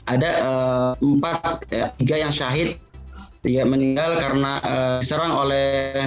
ada empat tiga yang syahid tiga meninggal karena serang oleh